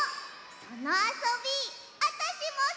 そのあそびあたしもすき！